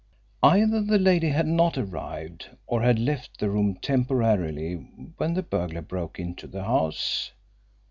Either the lady had not arrived or had left the room temporarily when the burglar broke into the house.